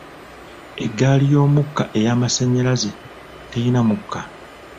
Eggaali y'omukka ey'amasannyalaze teyina mukka.